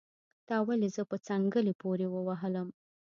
تا ولې زه په څنګلي پوري وهلم